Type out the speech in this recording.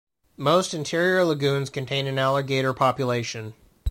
Most interior lagoons contain an alligator population.